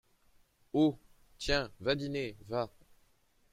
Oh ! tiens, va dîner ! va !